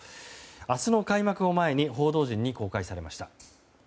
明日の開幕を前に報道陣に公開されました。